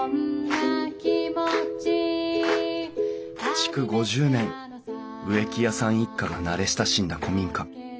築５０年植木屋さん一家が慣れ親しんだ古民家。